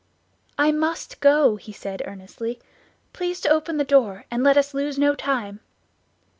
"I must go," he said earnestly, "please to open the door, and let us lose no time."